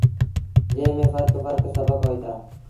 جݩهݩ ميݩ ڦرڪ ڦرڪ سبڪ هوئيٚتآ۔